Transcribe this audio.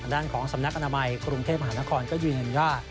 ด้านของสำนักอนามัยกรุงเทพมหานครก็ยืนยันว่า